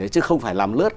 chứ không phải làm lướt